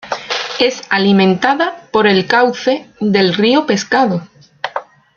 Es alimentada por el cauce del río Pescado.